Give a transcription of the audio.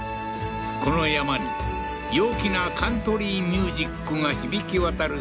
この山に陽気なカントリーミュージックが響き渡る